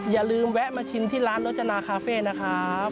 อย่าลืมแวะมาชิมที่ร้านรจนาคาเฟ่นะครับ